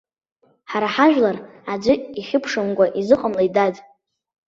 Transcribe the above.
Ҳара ҳажәлар аӡәы ихьыԥшымкәа изыҟамлеит, дад.